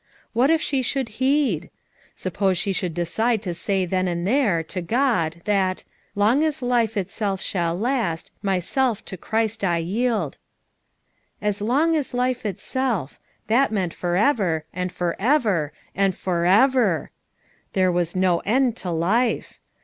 What if she should heed? Suppose she should decide to say then and there, to God/that: (4 Long as life itself shall last, Myself to Christ I yield.'* "As long as life itself,'' that meant forever, and forever and FOREVER I there was no end to life.